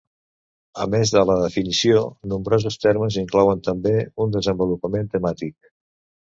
A més de la definició, nombrosos termes inclouen també un desenvolupament temàtic.